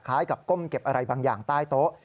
กับก้มเก็บอะไรบางอย่างใต้โต๊ะ